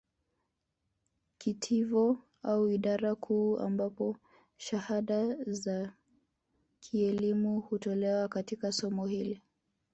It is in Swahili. Kitivo au idara kuu ambapo shahada za kielimu hutolewa katika somo hili